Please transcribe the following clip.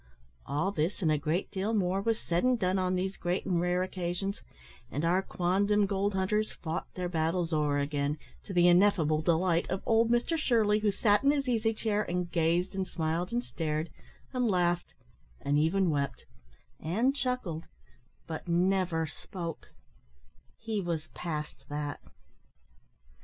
All this, and a great deal more, was said and done on these great and rare occasions and our quondam gold hunters fought their battles o'er again, to the ineffable delight of old Mr Shirley, who sat in his easy chair, and gazed, and smiled, and stared, and laughed, and even wept, and chuckled but never spoke he was past that.